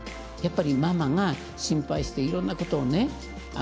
やっぱりママが心配していろんなことをね